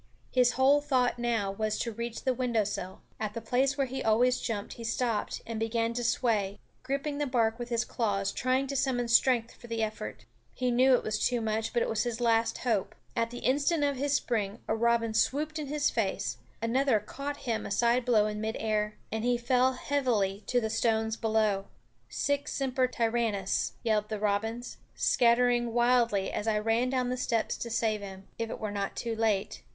His whole thought now was to reach the window sill. At the place where he always jumped he stopped and began to sway, gripping the bark with his claws, trying to summon strength for the effort. He knew it was too much, but it was his last hope. At the instant of his spring a robin swooped in his face; another caught him a side blow in mid air, and he fell heavily to the stones below. Sic semper tyrannis! yelled the robins, scattering wildly as I ran down the steps to save him, if it were not too late.